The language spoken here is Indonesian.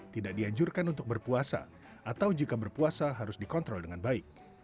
tidak dianjurkan untuk berpuasa atau jika berpuasa harus dikontrol dengan baik